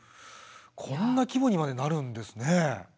こんな規模にまでなるんですね。